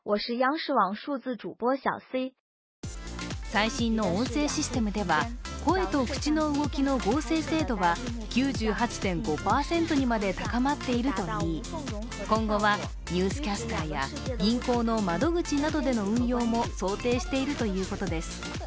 最新の音声システムでは声と口の動きの合成精度は９８．５％にまで高まっているといい今後はニュースキャスターや銀行の窓口などでの運用も想定しているということです。